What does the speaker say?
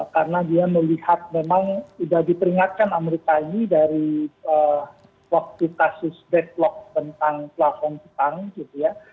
karena dia melihat memang sudah diperingatkan amerika ini dari waktu kasus backlog tentang pelabuhan petang gitu ya